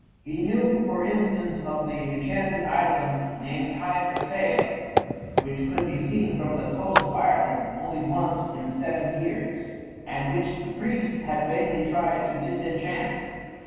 He knew, for instance, of the enchanted island named Hy Brasail, which could be seen from the coast of Ireland only once in seven years, and which the priests had vainly tried to disenchant.